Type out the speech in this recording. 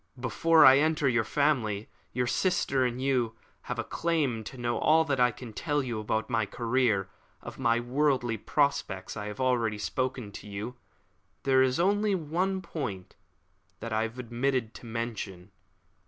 Before I enter your family, your sister and you have a claim to know all that I can tell you about my career. Of my worldly prospects I have already spoken to you. There is only one point which I have omitted to mention.